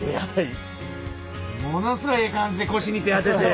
ものすごいええ感じで腰に手当てて。